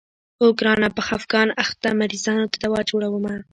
اوو ګرانه په خفګان اخته مريضانو ته دوا جوړومه.